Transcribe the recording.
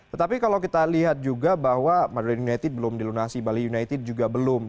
tetapi kalau kita lihat juga bahwa madura united belum dilunasi bali united juga belum